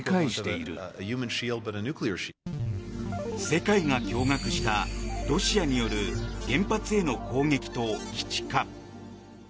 世界が驚愕したロシアによる原発への攻撃と基地化。